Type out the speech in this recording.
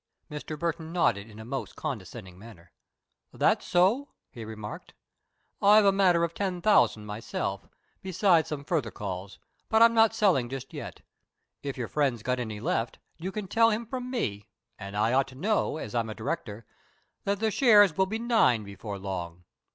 Mr. Burton nodded in a most condescending manner. "That so?" he remarked. "I've a matter of ten thousand myself, besides some further calls, but I'm not selling just yet. If your friend's got any left, you can tell him from me and I ought to know as I'm a director that the shares will be at nine before long.